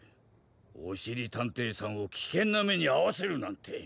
おしりたんていさんをきけんなめにあわせるなんて！